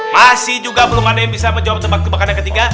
masih juga belum ada yang bisa menjawab tempat kebakaran yang ketiga